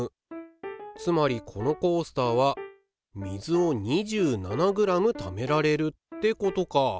つまりこのコースターは水を２７ｇためられるってことか。